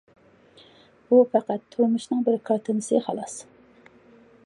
بۇ پەقەت تۇرمۇشنىڭ بىر كارتىنىسى خالاس.